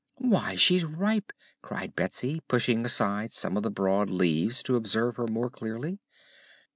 "Why, she's ripe!" cried Betsy, pushing aside some of the broad leaves to observe her more clearly.